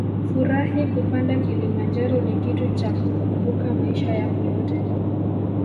Furahi Kupanda Kilimanjaro ni kitu cha kukumbuka maisha yako yote